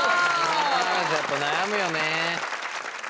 やっぱ悩むよね。